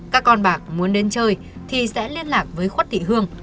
các con bạc muốn đến chơi thì sẽ liên lạc với khuất thị hương